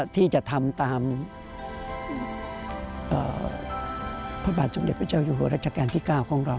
ที่จะทำตามพระบาทสมเด็จพระเจ้าอยู่หัวรัชกาลที่๙ของเรา